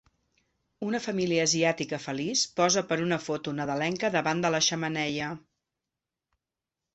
Una família asiàtica feliç posa per una foto nadalenca davant de la xemeneia.